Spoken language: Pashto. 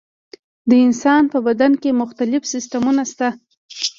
د انسان په بدن کې مختلف سیستمونه شته.